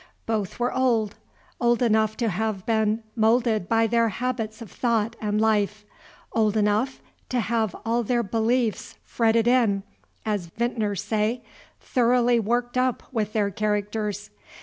Both were old; old enough to have been moulded by their habits of thought and life; old enough to have all their beliefs "fretted in," as vintners say, thoroughly worked up with their characters.